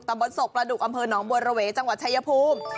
บนศพประดุกอำเภอหนองบัวระเวจังหวัดชายภูมิ